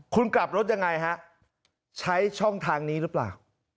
คุณกลับรถยังไงฮะใช้ช่องทางนี้หรือเปล่า